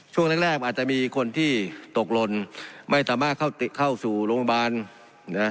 ช่วงแรกแรกอาจจะมีคนที่ตกหล่นไม่สามารถเข้าเข้าสู่โรงพยาบาลนะฮะ